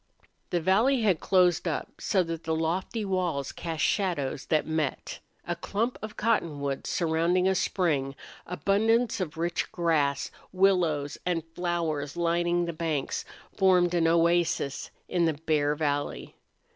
The valley had closed up, so that the lofty walls cast shadows that met. A clump of cottonwoods surrounding a spring, abundance of rich grass, willows and flowers lining the banks, formed an oasis in the bare valley.